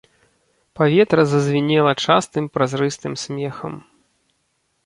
Паветра зазвінела частым празрыстым смехам.